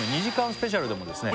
スペシャルでもですね